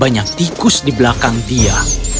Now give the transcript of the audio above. banyak tikus di belakang dia